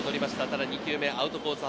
ただ２球目、アウトコース